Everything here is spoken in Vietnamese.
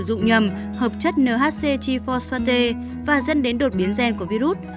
nếu thuốc nhầm hợp chất nhc g phosphate và dẫn đến đột biến gen của virus